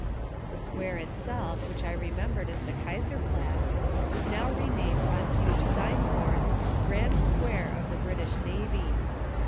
The square itself, which I remembered as the Kaiserplatz, was now renamed on huge signboards GRAND SQUARE OF THE BRITISH NAVY.